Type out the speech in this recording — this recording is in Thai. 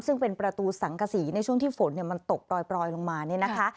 ซึ่งเป็นประตูสังกษีในช่วงที่ฝนมันตกปล่อยลงมาเนี่ยนะคะ